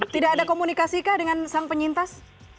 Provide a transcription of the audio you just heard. tidak ada komunikasi kah dengan sang penyintas